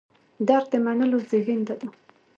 درک د منلو زېږنده ده.